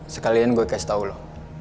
sekalian gue kasih tau loh